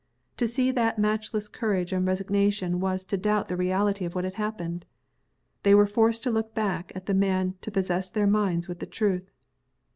To see that matchless courage and resignation was to doubt the reality of what had happened. They were forced to look back at the man to possess their minds with the truth.